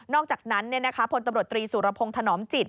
อกจากนั้นพลตำรวจตรีสุรพงศ์ถนอมจิต